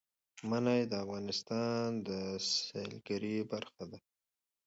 منی د افغانستان د سیلګرۍ برخه ده.